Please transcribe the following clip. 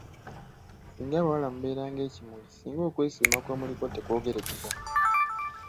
Singa abawala mubeera ng'ekimuli singa okwesiima kwe muliko tekwogerekeka.